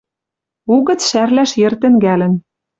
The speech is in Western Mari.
Угӹц шӓрлӓш йӹр тӹнгӓлӹн